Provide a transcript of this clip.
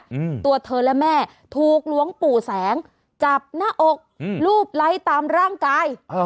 อืมตัวเธอและแม่ถูกหลวงปู่แสงจับหน้าอกอืมรูปไลค์ตามร่างกายอ่า